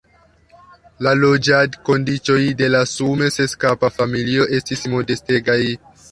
La loĝadkondiĉoj de la sume seskapa familio estis modestegaj.